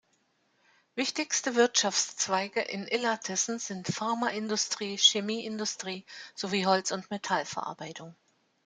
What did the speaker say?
Wichtigste Wirtschaftszweige in Illertissen sind Pharmaindustrie, Chemieindustrie sowie Holz- und Metallverarbeitung.